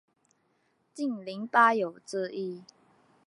竟陵八友之一。